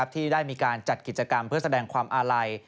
ที่ได้มีการจัดกิจกรรมเพื่อแสดงความอาลัย